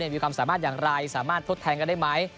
มีความสามารถสำหรับโทษแทงกันได้ไหม